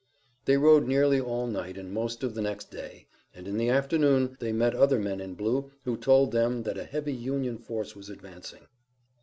They rode nearly all night and most of the next day, and, in the afternoon, they met other men in blue who told them that a heavy Union force was advancing.